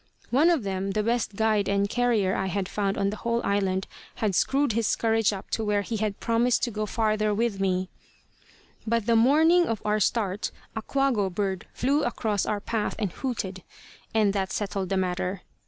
One of them, the best guide and carrier I had found on the whole island, had screwed his courage up to where he had promised to go farther with me; but the morning of our start a "quago" bird flew across our path and hooted; and that settled the matter.